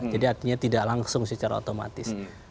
artinya tidak langsung secara otomatis